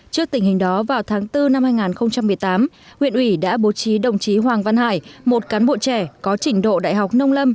trước tình hình đó vào tháng bốn năm hai nghìn một mươi tám huyện ủy đã bố trí đồng chí hoàng văn hải một cán bộ trẻ có trình độ đại học nông lâm